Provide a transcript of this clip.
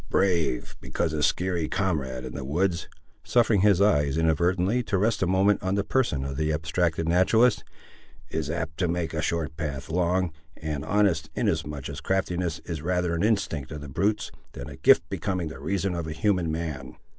Brave, because a skeary comrade in the woods," suffering his eyes inadvertently to rest a moment on the person of the abstracted naturalist, "is apt to make a short path long; and honest, inasmuch as craftiness is rather an instinct of the brutes, than a gift becoming the reason of a human man."